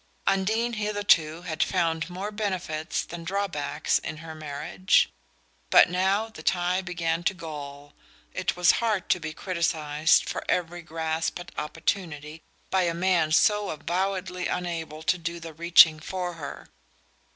Undine, hitherto, had found more benefits than drawbacks in her marriage; but now the tie began to gall. It was hard to be criticized for every grasp at opportunity by a man so avowedly unable to do the reaching for her!